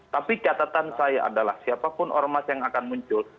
tapi catatan saya adalah siapapun ormas yang akan muncul